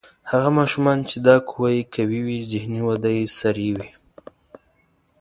هغه ماشومان چې دا قوه یې قوي وي ذهني وده یې سریع وي.